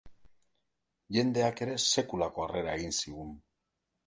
Jendeak ere sekulako harrera egin zigun.